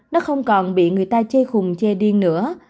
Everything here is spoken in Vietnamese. nó không còn bị người ta chê khung chê điên nữa